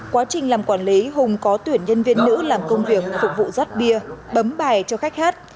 quá trình làm quản lý hùng có tuyển nhân viên nữ làm công việc phục vụ rắt bia bấm bài cho khách hát